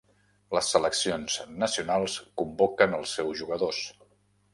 Les seleccions nacionals convoquen els seus jugadors.